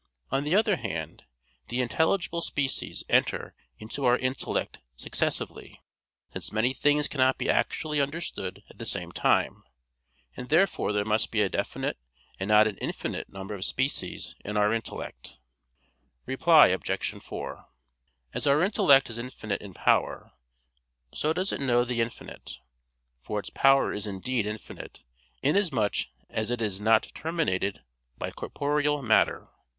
On the other hand, the intelligible species enter into our intellect successively; since many things cannot be actually understood at the same time: and therefore there must be a definite and not an infinite number of species in our intellect. Reply Obj. 4: As our intellect is infinite in power, so does it know the infinite. For its power is indeed infinite inasmuch as it is not terminated by corporeal matter.